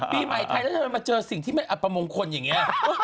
ปีใหม่ไทยแล้วเธอมาเจอสิ่งที่มันอัปมงคลอย่างนี้